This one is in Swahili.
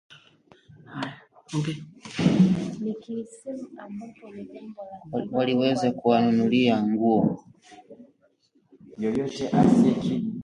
Waliweza kuwanunulia nguo